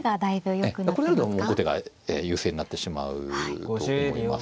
ええこれだと後手が優勢になってしまうと思います。